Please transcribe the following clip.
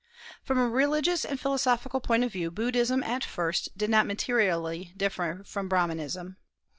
From a religious and philosophical point of view, Buddhism at first did not materially differ from Brahmanism.